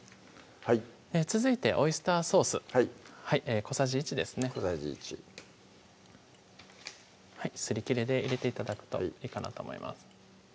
続いてオイスターソース小さじ１ですね小さじ１すりきれで入れて頂くといいかなと思います